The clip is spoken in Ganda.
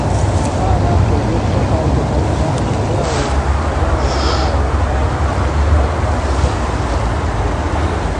Akaana ko eby'okufa kaali tekabimanyi era oba oli awo kaali tekalabanga ku muntu afudde.